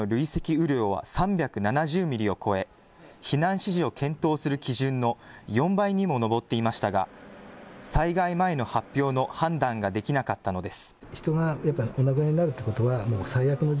雨量は３７０ミリを超え、避難指示を検討する基準の４倍にも上っていましたが災害前の発表の判断ができなかったのです。